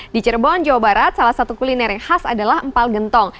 di cirebon jawa barat salah satu kuliner yang khas adalah empal gentong